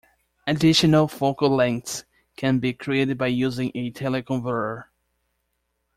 Additional focal lengths can be created by using a teleconverter.